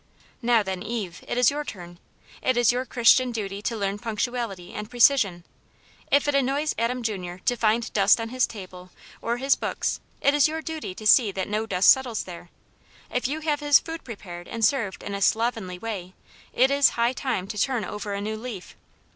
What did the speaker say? Now, then. Eve, it is your turn. It is your Chris tian duty to learn punctuality and precision. If it annoys Adam Jr. to find dust on his table or his books, it is your duty to see that no dust settles there* If you have his food prepared and served in a slovenly way, it is high time to turn over a new leaf.